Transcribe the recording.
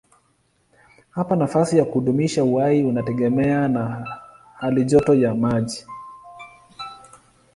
Hapa nafasi ya kudumisha uhai inategemea na halijoto ya maji.